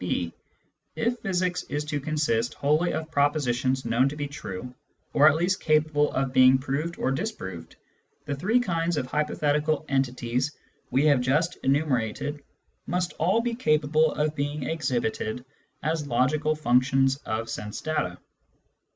{b) If physics is to consist wholly of propositions known to be true, or at least capable of being proved or disproved, the three kinds of hypothetical entities we have just enumerated must all be capable of being exhibited as logical functions of sense data.